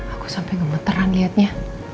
aku sampai gemeteran liatnya